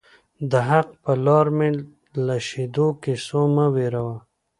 د حق پر لار می له شهیدو کیسو مه وېروه